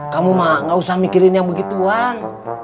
kamu gak usah mikirin yang begituan